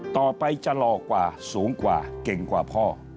ต่อไปจะหล่อกว่าสูงกว่าเก่งกว่าพ่อ